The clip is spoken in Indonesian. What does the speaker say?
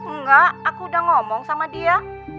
enggak aku udah ngomong sama dia